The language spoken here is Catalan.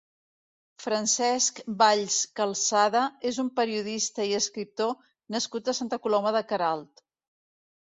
Francesc Valls-Calçada és un periodista i escriptor nascut a Santa Coloma de Queralt.